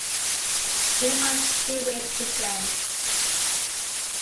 He is of Jewish descent.